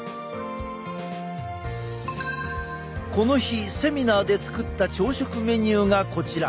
この日セミナーで作った朝食メニューがこちら。